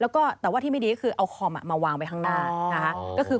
แล้วก็แต่ว่าที่ไม่ดีก็คือเอาคอมมาวางไว้ข้างหน้านะคะ